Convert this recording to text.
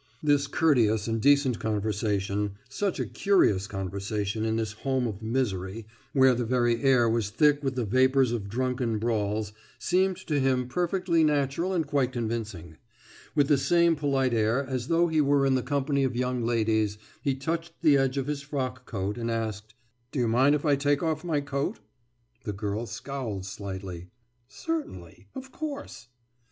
This courteous and decent conversation, such a curious conversation in this home of misery where the very air was thick with the vapours of drunken brawls, seemed to him perfectly natural and quite convincing. With the same polite air, as though he were in the company of young ladies, he touched the edge of his frock coat and asked: »Do you mind if I take off my coat?« The girl scowled slightly. »Certainly. Of course....